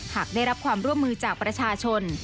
หากได้รับความร่วมมือจากประชาชน